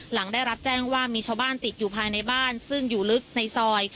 หลังได้รับแจ้งว่ามีชาวบ้านติดอยู่ภายในบ้านซึ่งอยู่ลึกในซอย